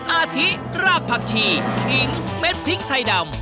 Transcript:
อาทิรากผักชีขิงเม็ดพริกไทยดำ